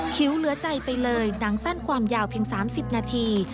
ิวเหลือใจไปเลยหนังสั้นความยาวเพียง๓๐นาที